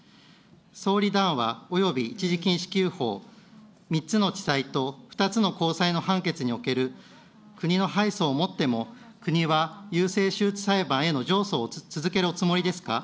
総理談話および一時金支給法、３つの地裁と２つの高裁における国の敗訴をもっても、国は優生手術裁判への上訴を続けるおつもりですか。